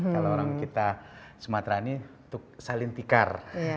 kalau orang kita sumatera ini saling tikar